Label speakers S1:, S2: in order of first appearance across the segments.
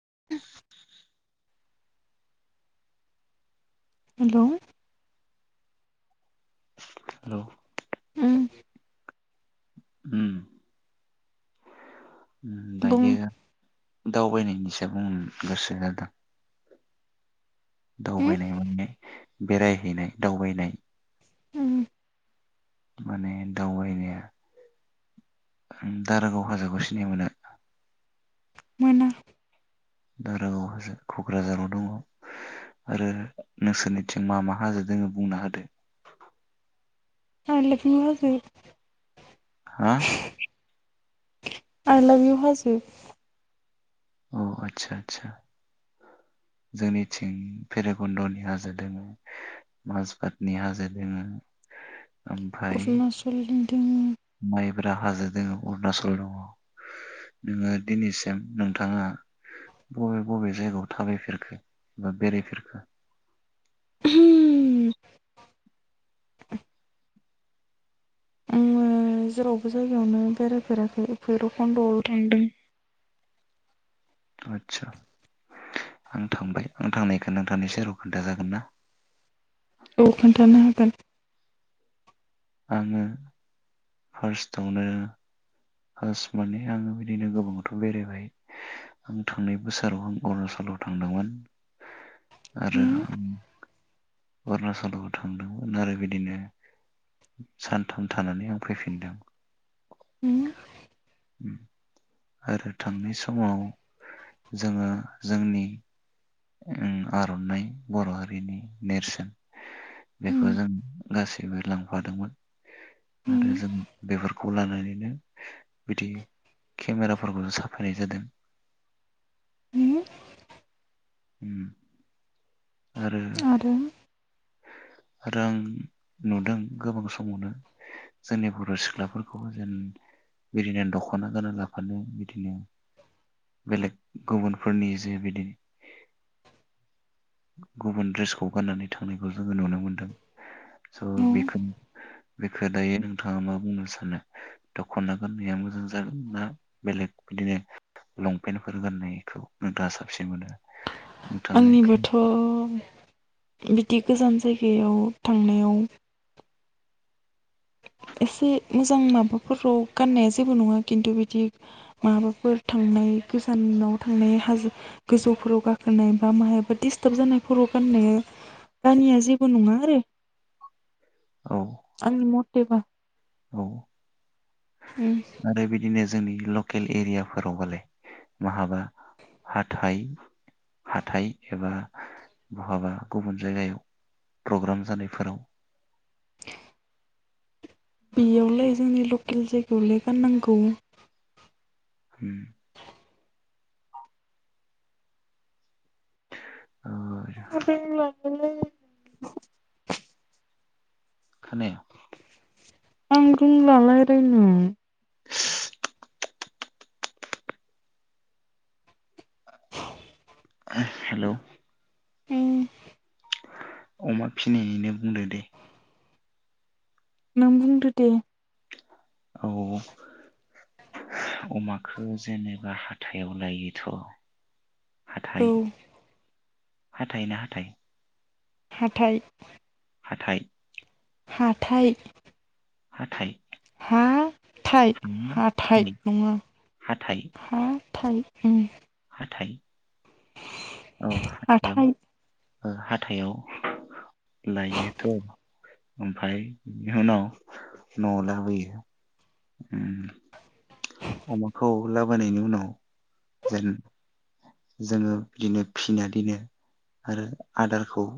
S1: [inaudible]
S2: Hello
S1: hello
S2: उम
S1: उम
S2: बुं
S1: दायो दावबायनि हिसाब गोसोजादों
S2: हो
S1: दावबायनाय मोन ने बेरायहैनाय दावबायनाय
S2: उम
S1: माने दावबायनाया दारागाव हाजोखौ सिनायो मोनना
S2: मोनना
S1: दारागाव हाजो कक्राझाराव दङ आरो नोंसोरनिथिं मा मा हाजो दोङो बुंना होदो
S2: आ लोखनो हाजो
S1: हा
S2: आइ लाब इउ हाजो
S1: अ आदसा आदसा जोंनिथिं फेरागन्दनि हाजो दोङो माजबातनि हाजो दोङो ओमफ्राय
S2: अरुनाचलनि दोङो
S1: माइब्रा हाजो दोङ अरुणाचल दङ नोङो दिनैसिम नोंथाङा बबे बबे जायगायाव थाबायफेरखो बा बेरायफेरखो
S2: [unintelligible] आङो जेरावबो जायगायावनो बेरायफेराखै बैरखन्दयावल थांदों
S1: आदसा आं थांबाय आं थांनायखो नोंथांनि सेराव खोनथा जागोन ना
S2: औ खोन्थानो हागोन
S1: आङो फार्स्टआवनो फार्स्ट माने आङो बिदिनो गोबाङावथ बेरायबाय आं थांनाय बोसोराव आं अरुणाचलाव थांदोंमोन आरो
S2: उम
S1: अरुणचलाव थांदोंमोन आरो बिदिनो सानथाम थानानै आं फैफिनदों
S2: उ
S1: [unintelligible] आरो थांनाय समाव जोङो जोंनि आरनाइ बर हारिनि नेरसोन
S2: उम
S1: बेखौ जों गासैबो लांफादोंमोन
S2: उम
S1: आरो जों बेफोरखौ लानानैनो बिदि केमेराफोरखौ जों साफायनाय जादों
S2: उम
S1: उम आरो आरो आं नुदों गोबां समावनो जोंनि बर' सिख्लाफोरखौबो जेन बिदिनो दखना गाना लाफानो बिदिनो बेलेग गुबुनफोरनि जे बिदि गुबुन ड्रेसखौ गाननानै थांनायखौ जोङो नुनो मोनदों स
S2: औ
S1: बेखोन बेखौ दायो नोंथाङा मा बुंनो सानो दखना गाननाया मोजां जागोन ना बेलेग बिदिनो लंपेन्टफोर गान्नायखौ नोंथाङा साबसिन मोनो नोंथाङा
S2: आंनिबाथ बिदि गोजान जायगायाव थांनायाव एसे मोजां माबाफोराव गाननाया जेबो नङा खिन्थु बिदि माबाफोर थांनाय गोजानाव थांनाय हाजो गोजौफोराव गाखोनाय बा मायाबा डिस्टार्ब जानायफोराव गाननाया गानिया जेबो नङा आरो
S1: औ
S2: आंनि मटे बा
S1: औ आरो बिदिनो जोंनि लकेल एरियाफोरावबालाय बहाबा हाथाइ हाथाइ एबा बहाबा गुबुन जायगायाव प्रग्राम जानायफोराव
S2: बेयावलाय जोंनि लकेल जायगायावलाय गाननांगौ
S1: होम ओ
S2: [inaudible] [inaudible]
S1: खोनाया
S2: आं रोंला रायलायनो
S1: हेलौ
S2: उम
S1: अमा फिनायनिनो बुंदो दे
S2: नों बुंदो दे
S1: औ अमाखौ जेनेबा हाथायाव लायोथ'
S2: औ
S1: हाथाय हाथाय ना हाथाइ
S2: हाथाय
S1: हाथाय
S2: हाथाय
S1: हाथाय
S2: थाइ हाथाय नङा
S1: हाथाइ
S2: हा थाय उम
S1: हाथाय औ यं
S2: हाथाइ
S1: हाथायाव लायोथ' ओमफ्राय बिनि उनाव नआव लाबोयो उमअमाखौ लाबोनायनि उनाव जेन जोङो बिदिनो फिनानै दिनो आरो आदारखौ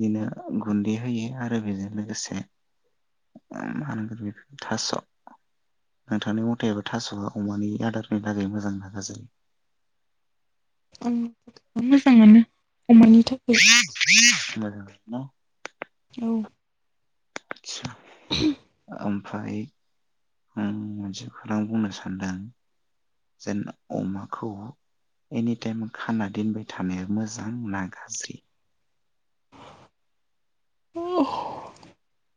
S1: बिदिनो गुन्दै होयो आरो बेजों लोगोसे मा होनगोन बेफोर थास नोंथांनि मथेबा थास अमानि आदारनि लागै मोजां ना गाज्रि?
S2: ओं मोजाङानो
S1: मोजां ना
S2: औ
S1: आटस्च
S2: [inaudible]
S1: ओमफ्राय आं मोनसे खौरां बुंनो सानदों जेन अमाखौ एनिटाइम खाना दोनबाय थानाया मोजां ना गाज्रि?
S2: [inaudible]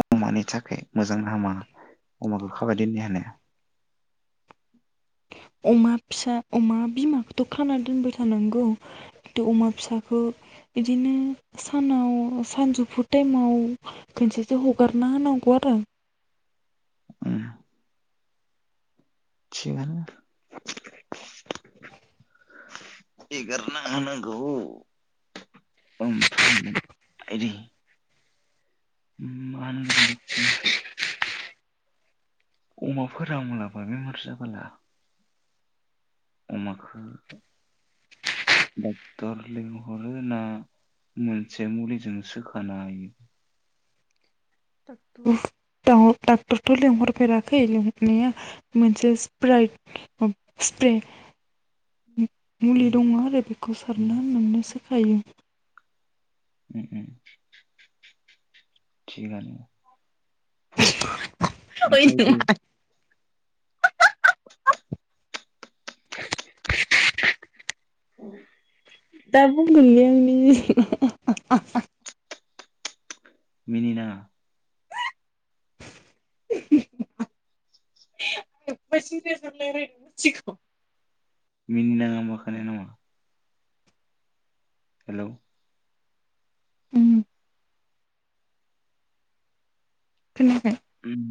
S1: अमानि थाखाय मोजां नामा अमाखौ खाबाय दिननायानो
S2: अमा फिसा अमा बिमाखौथ' खाना दोनबाय थानांगौ अमा फिसाखौ बिदिनो सानाव सानजौफु टाइमाव खनसेसो हगारना होनांगौ आरो
S1: उम थिगानो एगारना होनांगौ ओमफ्राय आइदै मा होनगोन बेखौ अमाफोरा मालाबा बेमार जाबाला अमाखौ डक्टर लिंहरो ना मोनसे मुलिजों सोखानो हायो
S2: डाक्टारथ डाक्टारथ'लेंहरफेराखै लिंहरनाया मोनसे स्फ्रायड स्फ्रे मुलि
S1: उम
S2: दङ आरो बेखौ
S1: उम
S2: सारना [unintelligible] थायो
S1: ओम ओम थिगानो ओमफ्राय बे
S2: [unintelligible] [unintelligible] दा बुंगोन बे आं [unintelligible]
S1: मिनि नांआ
S2: [unintelligible]
S1: मिनिनाङा होमबा खोनाया नामा? हेलौ
S2: ओम खोनायाखै?
S1: उम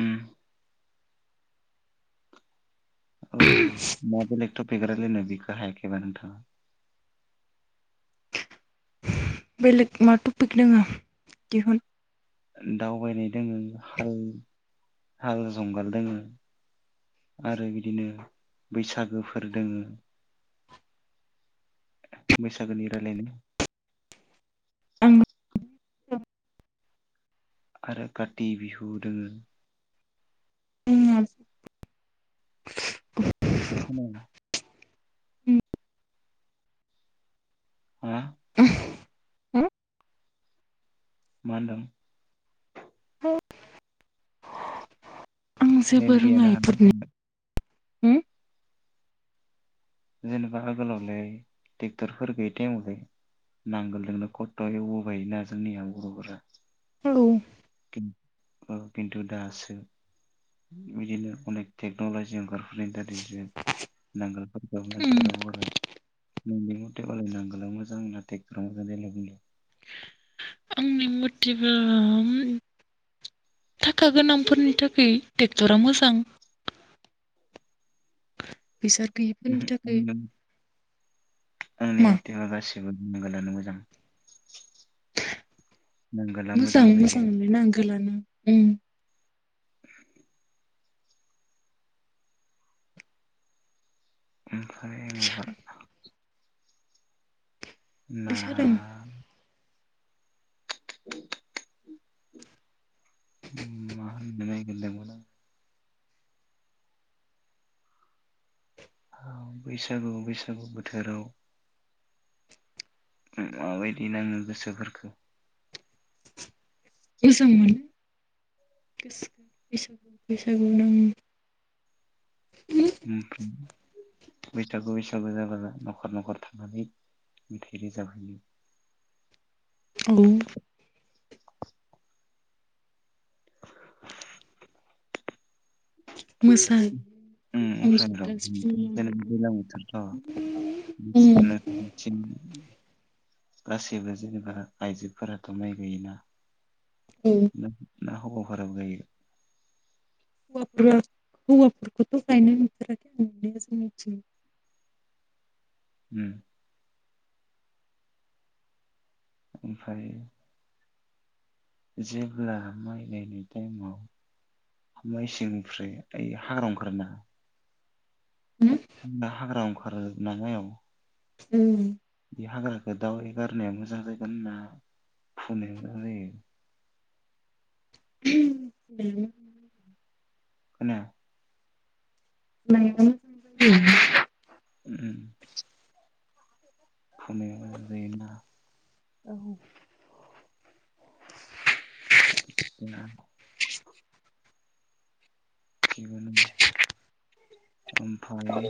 S1: ओम अ होमबा बेलेग थ बिग्रालायनो बिखौ हायाखैबा नोंथाङा
S2: बेलेग मा टपिक दोङो दिहुन
S1: दाउबायनाय दङो हा हाल जुंगाल दोङो आरो बिदिनो बैसागोफोर दोङो बैसागोनि रायलायनाय
S2: आं
S1: आरो खाथि बिहु दोङो
S2: [unintelligible]
S1: [unintelligible]
S2: उम
S1: हा
S2: [unintelligible] हो
S1: मा होन्दों?
S2: [inaudible]
S1: नेट
S2: जेबो रोङा
S1: गैया
S2: इफोरनि
S1: [unintelligible] जेनेबा आगोलावलाय ट्रेक्टरफोर गैयै टाइमलाय नांगोलजोंनो खस्थ एवबोबायोना जोंनिया बरफोरा
S2: औ
S1: ओ खिन्थु दासो बिदिनो अनेक टेक्नलजि ओंखारफुनाय [unintelligible] नांगोलफोर औ मानसिफोरा हरबाय नोंनि मथेबालाय नांगोला मोजां ना ट्रेक्टरा मोजां जायो बुंलाय
S2: आंनि मतेबा ओम थाखा गोनांफोरनि थाखाय ट्रेक्टरा मोजां। फैसा गैयिफोरनि
S1: ओहो
S2: थाखाय
S1: नों आंनि
S2: मा
S1: मथेबो गासिबो नांगोलानो मोजां नांगोला
S2: मोजां
S1: जायो
S2: मोजां मोनलाय नांगोन गोलानो ओम
S1: आमफ्राय माबा
S2: सादों बे
S1: मा
S2: सादों
S1: [unintelligible] मा होननो नायगिरदोंमोन? बैसागु बैसागु बोथोराव माबायदि नाङो गोसोफोरखौ?
S2: मोजां मोनो गोसोखो बैसागु बैसागु नाङो
S1: बैसागु बैसागु जाबा नखर नखर थांनानै मेथाइ रोजाबहोयो
S2: औ [inaudible] मोसाहोयो
S1: उम
S2: खाम
S1: ओमफ्राय र'
S2: जथा सिफुं
S1: जेनेबा
S2: लानानै
S1: दैज्लां बोथोरथ'
S2: उम
S1: नोंसोरनिथिं गासैबो जेनेबा आइजोफोराथ माइ गायोना
S2: औ
S1: [unintelligible] ना हौवाफोराबो गायो?
S2: हौवाफोरा हौवाफोरखौथ गायनाय नुफेराखै आं नुनाया जोंनिथिं।
S1: उम ओमफ्राय जेब्ला माइ गायनाय टाइमाव माइसेंनिफ्राय ओइ [unintelligible] ओंखारोना ना हाग्रा ओंखारो नालाय औ
S2: उम
S1: बे हाग्राखौ [unintelligible] मोजां जागोन ना फुनाया मोजां जायो?
S2: [inaudible]
S1: खोनाया
S2: [inaudible]
S1: उम उम फुनाया मोजां जायोना [unintelligible] थिगानो ओमफाय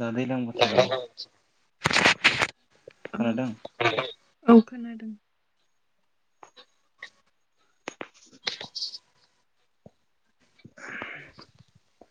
S1: दा दैलां बोथोराव खोनादों?
S2: औ खोनादों।
S1: [unintelligible] [unintelligible]